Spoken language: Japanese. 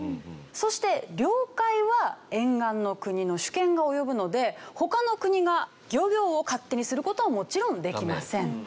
そして領海は沿岸の国の主権が及ぶので他の国が漁業を勝手にする事はもちろんできません。